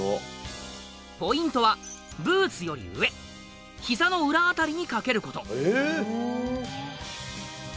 ポイントはブーツより上膝の裏辺りに掛けること。